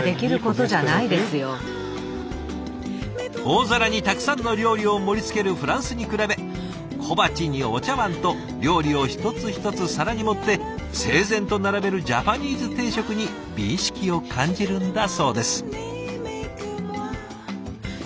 大皿にたくさんの料理を盛りつけるフランスに比べ小鉢にお茶わんと料理を一つ一つ皿に盛って整然と並べるジャパニーズ定食に美意識を感じるんだそうです。